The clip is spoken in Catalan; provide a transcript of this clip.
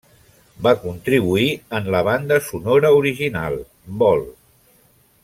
Va contribuir en la banda sonora Original, Vol.